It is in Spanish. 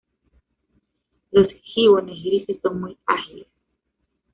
Los gibones grises son muy ágiles.